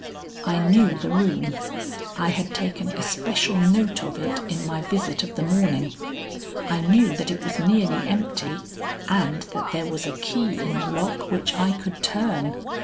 I knew the room. I had taken especial note of it in my visit of the morning. I knew that it was nearly empty and that there was a key in the lock which I could turn.